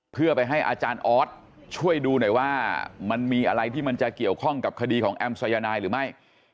เพื่อไปให้อาจารย์ออสช่วยดูหน่อยว่ามันมีอะไรที่มันจะเกี่ยวข้องกับคดีของแอมสายนายหรือไม่